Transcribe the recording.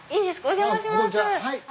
お邪魔します。